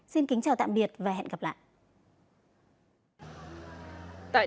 xin kính chào tạm biệt và hẹn gặp lại